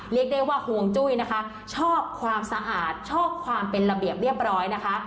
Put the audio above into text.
เรียกได้ว่าห่วงจุ้ยนะคะชอบความสะอาดชอบความเป็นระเบียบเรียบร้อยนะคะ